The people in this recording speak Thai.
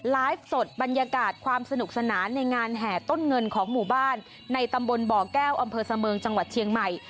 ไลฟ์สดบรรยากาศความสนุกสนานในงานแห่ต้นเงินของหมู่บ้านในตำบลบ่อแก้วอำเภอเสมิงจังหวัดเชียงใหม่